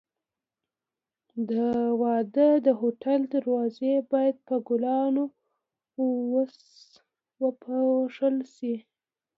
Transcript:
د واده د هوټل دروازې باید په ګلانو وپسولل شي.